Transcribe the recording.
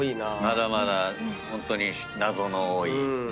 まだまだホントに謎の多い。